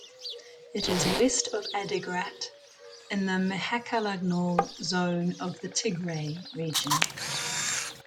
It is west of Adigrat, in the Mehakelegnaw Zone of the Tigray Region.